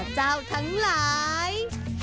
อ่อเจ้าทั้งหลาย